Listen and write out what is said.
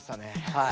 はい。